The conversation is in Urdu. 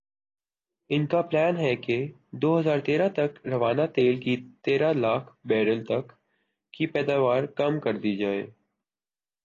ان کا پلان ھے کہ دو ہزار تیرہ تک روزانہ تیل کی تیرہ لاکھ بیرل تک کی پیداوار کم کر دی جائے